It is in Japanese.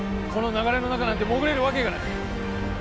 この流れの中なんて潜れるわけがない！